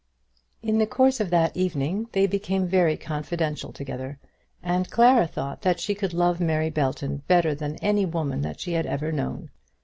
In the course of that evening they became very confidential together, and Clara thought that she could love Mary Belton better than any woman that she had ever known.